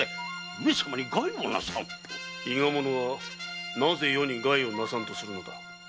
伊賀者がなぜ余に害をなさんとするのだ？